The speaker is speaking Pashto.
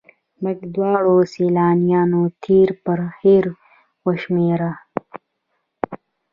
موږ دواړو سیلانیانو تېر پر هېر وشمېره.